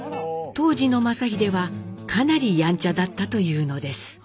当時の正英はかなりやんちゃだったというのです。